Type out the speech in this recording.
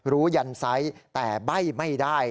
ยันไซส์แต่ใบ้ไม่ได้